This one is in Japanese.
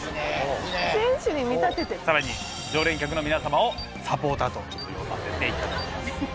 更に常連客の皆様をサポーターと呼ばせていただきます。